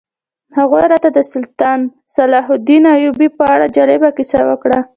هغوی راته د سلطان صلاح الدین ایوبي په اړه جالبه کیسه وکړه.